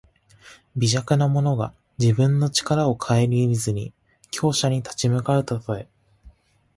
微弱な者が自分の力をかえりみずに強者に立ち向かうたとえ。